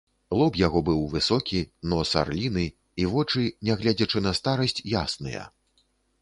Лоб яго быў высокі, нос арліны і вочы, нягледзячы на старасць, ясныя.